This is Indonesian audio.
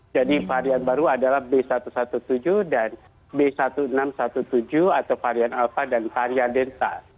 jadi varian baru adalah b satu satu tujuh dan b satu enam satu tujuh atau varian alfa dan varian delta